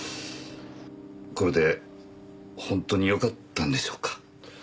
これで本当によかったんでしょうか？